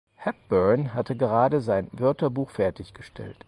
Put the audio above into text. Hepburn hatte gerade sein Wörterbuch fertiggestellt.